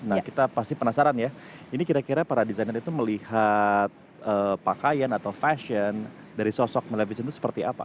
nah kita pasti penasaran ya ini kira kira para desainer itu melihat pakaian atau fashion dari sosok malevision itu seperti apa